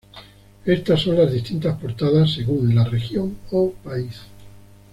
Estas son las distintas portadas según la región o país.